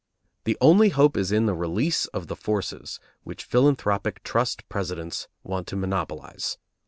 The only hope is in the release of the forces which philanthropic trust presidents want to monopolize.